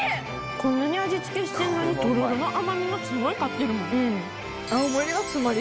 こんなに味付けしてんのにとろろの甘みがすごい勝ってるもん。